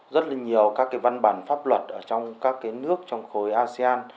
rất là nhiều các văn bản pháp luật trong các nước trong khối asean